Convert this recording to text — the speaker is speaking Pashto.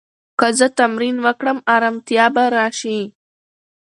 که زه تمرین وکړم، ارامتیا به راشي.